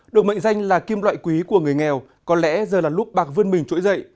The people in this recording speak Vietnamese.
được mệnh danh là kim loại quý của người nghèo có lẽ giờ là lúc bạc vươn mình trỗi dậy